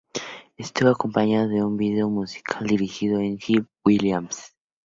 Estuvo acompañado de un vídeo musical, dirigido por Hype Williams.